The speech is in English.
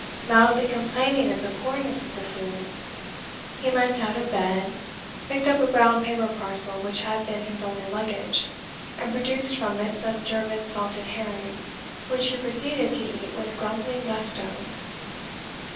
Loudly complaining of the poorness of the food, he leant out of bed, picked up a brown paper parcel which had been his only luggage, and produced from it some German salted herring, which he proceeded to eat with grumbling gusto.